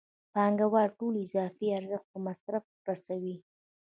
پانګوال ټول اضافي ارزښت په مصرف رسوي